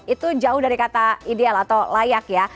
itu jauh dari kata ideal atau layak ya